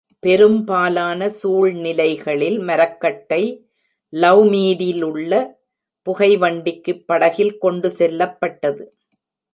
பெரும்பாலான சூழ்நிலைகளில் மரக்கட்டை லௌமீடிலுள்ள புகைவண்டிக்குப் படகில் கொண்டுசெல்லப்பட்டது.